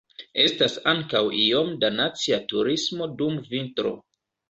Estas ankaŭ iome da nacia turismo dum vintro.